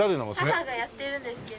母がやってるんですけど。